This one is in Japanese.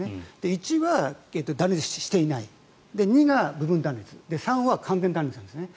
１は断裂していない２が部分断裂３は完全断裂ですね。